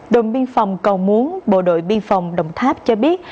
đồn biên phòng cầu muốn bộ đội biên phòng đồng tháp cho biết